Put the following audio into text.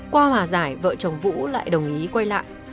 qua hòa giải vợ chồng vũ lại đồng ý quay lại